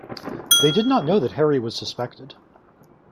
They did not know that Harry was suspected.